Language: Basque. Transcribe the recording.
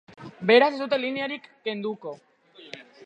Beraz, ez dute linearik kenduko.